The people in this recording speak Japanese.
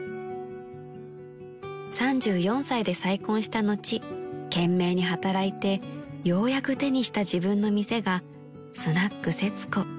［３４歳で再婚した後懸命に働いてようやく手にした自分の店がすなっくせつこ］